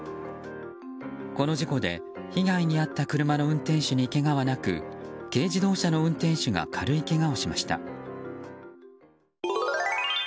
この事故で、被害に遭った車の運転手にけがはなく軽自動車の運転手が軽いけがをしました。